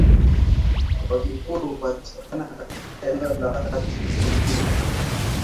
Wakikuyu hupatikana katika eneo la Kati nchini Kenya.